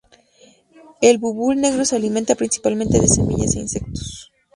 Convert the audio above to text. El bulbul negro se alimenta principalmente de semillas e insectos.